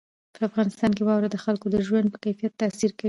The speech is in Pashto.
په افغانستان کې واوره د خلکو د ژوند په کیفیت تاثیر کوي.